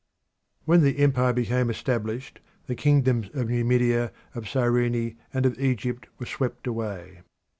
When the empire became established the kingdoms of Numidia, of Cyrene, and of Egypt were swept away.